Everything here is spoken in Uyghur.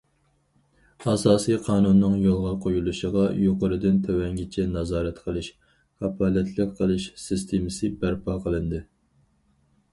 ئاساسىي قانۇننىڭ يولغا قويۇلۇشىغا يۇقىرىدىن تۆۋەنگىچە نازارەت قىلىش، كاپالەتلىك قىلىش سىستېمىسى بەرپا قىلىندى.